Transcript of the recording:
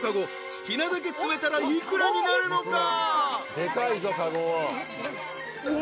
好きなだけ詰めたら幾らになるのか？］